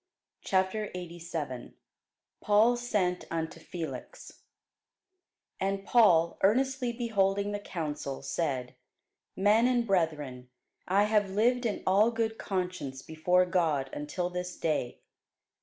CHAPTER 87 PAUL SENT UNTO FELIX AND Paul, earnestly beholding the council, said, Men and brethren, I have lived in all good conscience before God until this day.